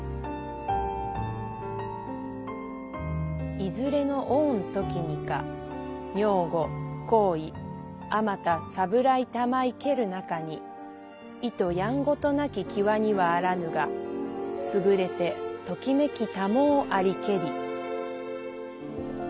「いづれの御時にか女御更衣あまたさぶらひたまひける中にいとやむごとなき際にはあらぬがすぐれて時めきたまふありけり」。